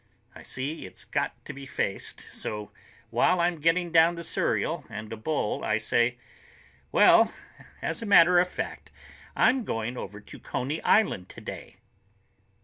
I see it's got to be faced, so while I'm getting down the cereal and a bowl, I say, "Well, as a matter of fact, I'm going over to Coney Island today."